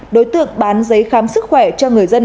đối tượng bán giấy khám sức khỏe cho người dân